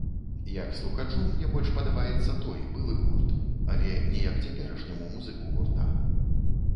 Як слухачу, мне больш падабаецца той, былы гурт, але не як цяперашняму музыку гурта.